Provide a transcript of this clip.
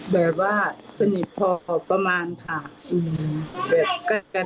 แบบว่าสนิทพอเขาประมาณค่ะ